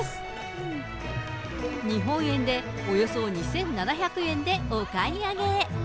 日本円でおよそ２７００円でお買い上げ。